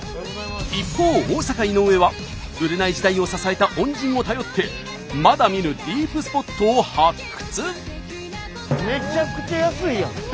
一方大阪井上は売れない時代を支えた恩人を頼ってまだ見ぬディープスポットを発掘！